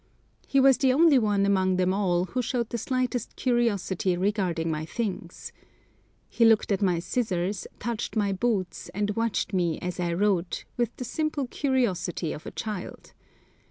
He was the only one among them all who showed the slightest curiosity regarding my things. He looked at my scissors, touched my boots, and watched me, as I wrote, with the simple curiosity of a child.